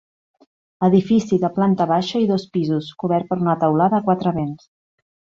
Edifici de planta baixa i dos pisos, cobert per una teulada a quatre vents.